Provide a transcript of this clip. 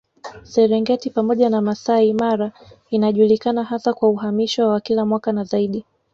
Serengeti pamoja na Masai Mara inajulikana hasa kwa uhamisho wa kila mwaka na zaidi